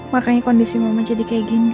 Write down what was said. mama pasti kondisi mama jadi kayak gini